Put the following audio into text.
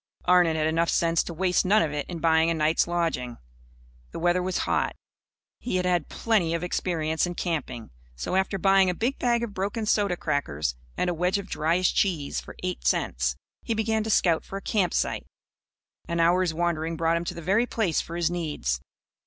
Arnon had enough sense to waste none of it in buying a night's lodging. The weather was hot. He had had plenty of experience in camping. So, after buying a big bag of broken soda crackers and a wedge of dryish cheese for eight cents, he began to scout for a camp site. An hour's wandering brought him to the very place for his needs.